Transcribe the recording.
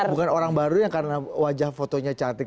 bukan orang baru yang karena wajah fotonya cantik